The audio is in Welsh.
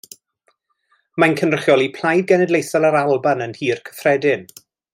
Mae'n cynrychioli Plaid Genedlaethol yr Alban yn Nhŷ'r Cyffredin.